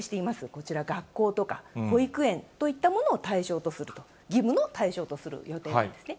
こちら、学校とか保育園といったものを対象とすると、義務の対象とする予定なんですね。